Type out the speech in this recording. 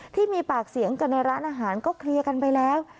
ที่มีปากเสียงกันในร้านอาหารก็เคลียร์กันไปแล้ว